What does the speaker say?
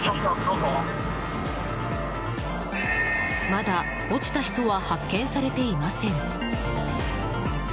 まだ落ちた人は発見されていません。